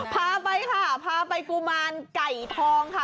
พาไปค่ะพาไปกุมารไก่ทองค่ะ